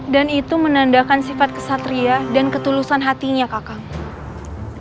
dan itu menandakan sifat kesatria dan ketulusan hatinya kakang